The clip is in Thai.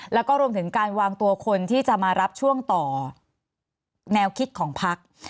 แล้วก็รวมถึงการวางตัวคนที่จะมารับช่วงต่อแนวคิดของพัก